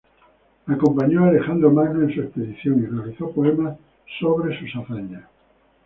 Acompañó a Alejandro Magno en su expedición y realizó poemas acerca de sus hazañas.